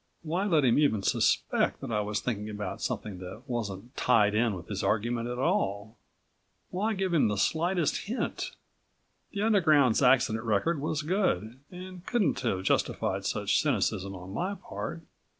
Why let him even suspect that I was thinking about something that wasn't tied in with his argument at all, why give him the slightest hint? The Underground's accident record was good and couldn't have justified such cynicism on my part.